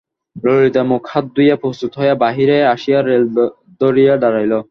ললিতা মুখ-হাত ধুইয়া প্রস্তুত হইয়া বাহিরে আসিয়া রেল ধরিয়া দাঁড়াইল।